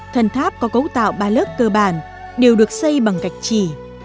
thần tháp có cấu tạo ba lớp cơ bản đều được xây bằng gạch chỉ